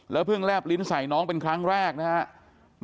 เพิ่งแลบลิ้นใส่น้องเป็นครั้งแรกนะครับ